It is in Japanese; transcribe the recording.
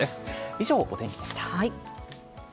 以上、お天気でした。